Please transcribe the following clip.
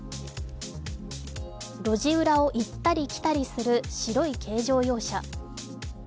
路地裏を行ったり来たりする白い軽乗用車。